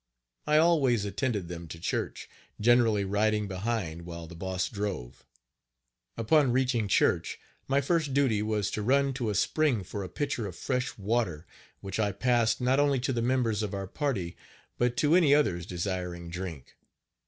I always attended them to church, generally riding behind while the Boss drove. Upon reaching church, my first duty was to run to a spring for a pitcher of fresh water, which I passed not only to the members of our party, but to any others desiring drink.